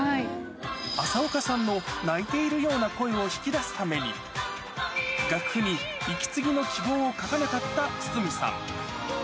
麻丘さんの泣いているような声を引き出すために、楽譜に息継ぎの記号を書かなかった筒美さん。